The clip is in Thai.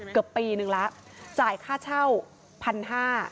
เกือบปีนึงแล้วจ่ายค่าเช่าพันห้า